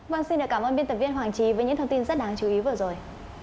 vâng xin cảm ơn biên tập viên hoàng trí với những thông tin rất đáng chú ý vừa rồi